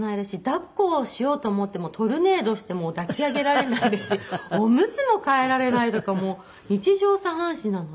抱っこをしようと思ってもトルネードして抱き上げられないですしおむつも替えられないとかも日常茶飯事なので。